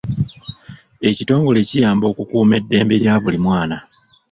Ekitongole kiyamba okukuuma eddembe lya buli mwana.